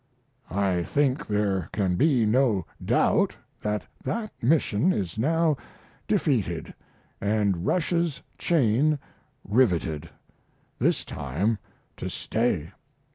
I think there can be no doubt that that mission is now defeated and Russia's chain riveted; this time to stay.